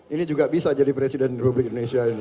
ini juga bisa jadi presiden republik indonesia ini